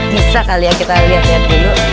bisa kali ya kita lihat lihat dulu